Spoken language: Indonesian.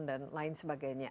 dan lain sebagainya